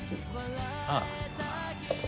ああ。